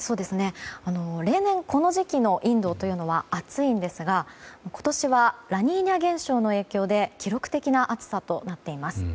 例年この時期のインドというのは暑いんですが今年はラニーニャ現象の影響で記録的な暑さとなっています。